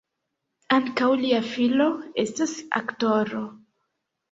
Ankaŭ lia filo estas aktoro.